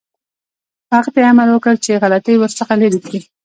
هغه ته یې امر وکړ چې غلطۍ ورڅخه لرې کړي.